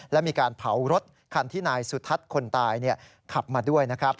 และมีการเผารถคันที่นายสุทัศน์คนตายขับมาด้วยนะครับ